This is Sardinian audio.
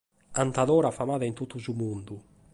Cantadora famada in totu su mundu.